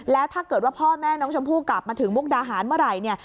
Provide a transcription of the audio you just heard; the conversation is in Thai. แล้วถ้าเกิดว่าพ่อแม่น้องชมพู่กลับมาถึงมุกดาหารเมื่อไหร่เนี่ย